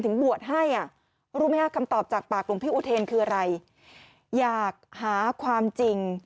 เพราะเราอยากหาความจริง